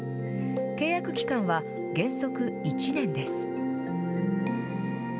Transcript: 契約期間は原則１年です。